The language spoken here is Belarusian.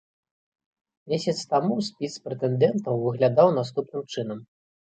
Месяц таму спіс прэтэндэнтаў выглядаў наступным чынам.